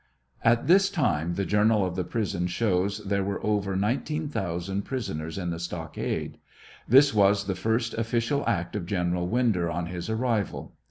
At this titae, the journal of the prison shows there were over 19,000 prison ers in the stockade. This was the first official act of General Winder on his arrival.